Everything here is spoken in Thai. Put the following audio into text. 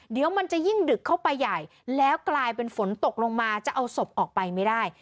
เดี๋ยวมันจะยิ่งดึกเข้าไปใหญ่แล้วกลายเป็นฝนตกลงมาจะเอาศพออกไปไม่ได้